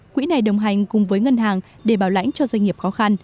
quỹ này đồng hành cùng với ngân hàng để bảo lãnh cho doanh nghiệp khó khăn